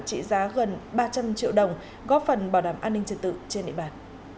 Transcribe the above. trị giá gần ba trăm linh triệu đồng góp phần bảo đảm an ninh trật tự trên địa bàn